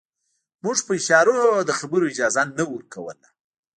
موږ په اشارو د خبرو اجازه نه ورکوله.